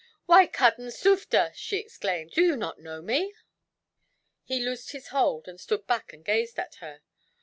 "Why, cousin Sufder," she exclaimed, "do you not know me?" He loosed his hold, and stood back and gazed at her.